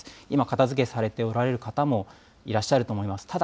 今、片づけされておられる方もいらっしゃると思います。